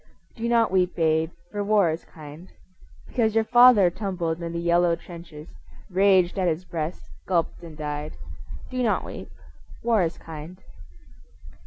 Do not weep, babe, for war is kind. Because your father tumbled in the yellow trenches, Raged at his breast, gulped and died, Do not weep. War is kind.